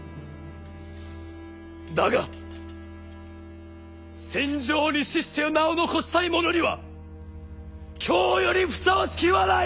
だが戦場に死して名を残したい者には今日よりふさわしき日はない！